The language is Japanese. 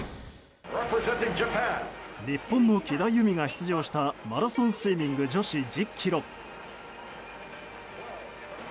日本の貴田裕美が出場したマラソンスイミング女子１０ｋｍ。